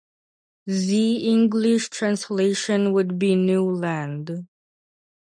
The English translation would be "new land".